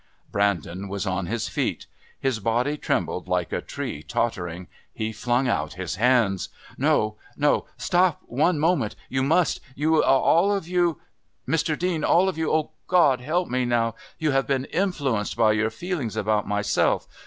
Brandon was on his feet. His body trembled like a tree tottering. He flung out his hands. "No.... No.... Stop one moment. You must. You all of you "Mr. Dean all of you.... Oh, God, help me now!...You have been influenced by your feelings about myself.